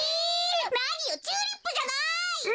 なによチューリップじゃない！